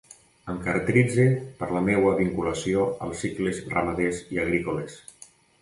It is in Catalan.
Em caracteritze per la meua vinculació als cicles ramaders i agrícoles.